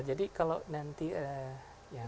jadi kalau nanti yang